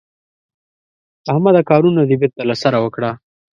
احمده کارونه دې بېرته له سره وکړه.